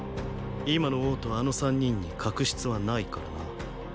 今の王とあの三人に確執はないからな。